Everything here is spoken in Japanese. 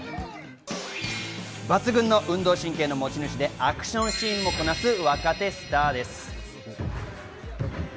抜群の運動神経の持ち主でアクションシーンもこなす、若手スターです。